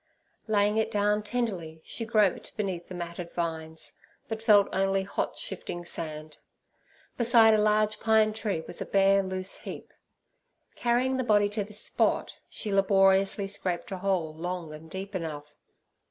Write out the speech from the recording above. Laying it down tenderly, she groped beneath the matted vines, but felt only hot shifting sand. Beside a large pine tree was a bare, loose heap; carrying the body to this spot, she laboriously scraped a hole long and deep enough.